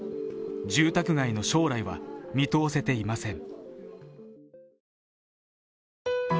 住宅街の将来は見通せていません。